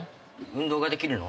運動ができるの？